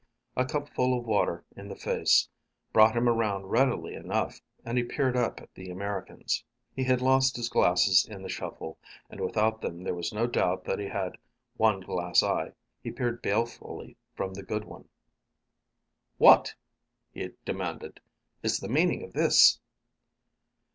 A cupful of water in the face brought him around readily enough and he peered up at the Americans. He had lost his glasses in the shuffle, and without them there was no doubt that he had one glass eye. He peered balefully from the good one. "What," he demanded, "is the meaning of this?"